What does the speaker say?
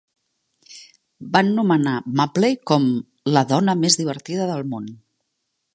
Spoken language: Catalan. Van nomenar Mabley com "la dona més divertida del món".